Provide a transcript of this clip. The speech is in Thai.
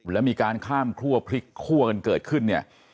แล้วมีการข้ามครัวพลิกคั่วกันเกิดขึ้นเนี่ย